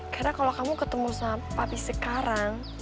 karena kalau kamu ketemu sama papi sekarang